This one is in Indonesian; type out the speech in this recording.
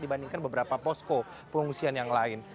dibandingkan beberapa posko pengungsian yang lain